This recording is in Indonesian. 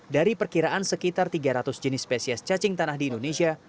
dari perkiraan sekitar tiga ratus jenis spesies cacing tanah di indonesia